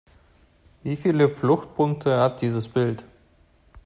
Wie viele Fluchtpunkte hat dieses Bild?